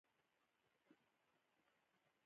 د دوه زره پنځويشتم کال